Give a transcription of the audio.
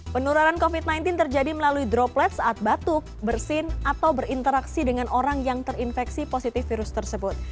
penularan covid sembilan belas terjadi melalui droplet saat batuk bersin atau berinteraksi dengan orang yang terinfeksi positif virus tersebut